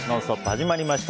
始まりました。